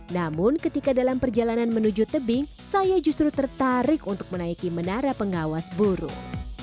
namun ketika dalam perjalanan menuju tebing saya justru tertarik untuk menaiki menara pengawas burung